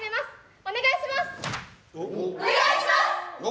お願いします！